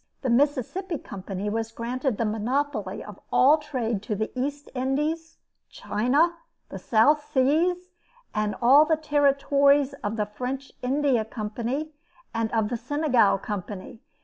The Mississippi Company was granted the monopoly of all trade to the East Indies, China, the South Seas, and all the territories of the French India Company, and of the Senegal Company.